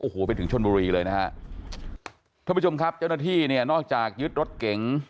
โอ้โหไปถึงชนบุรีเลยนะฮะท่านผู้ชมครับเจ้าหน้าที่เนี่ยนอกจากยึดรถเก๋ง